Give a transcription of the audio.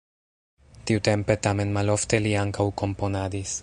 Tiutempe, tamen malofte li ankaŭ komponadis.